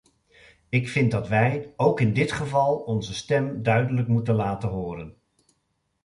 Ik vind dat wij ook in dit geval onze stem duidelijk moeten laten horen.